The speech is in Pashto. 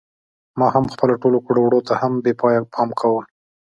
ما خپلو ټولو کړو وړو ته هم بې پایه پام کاوه.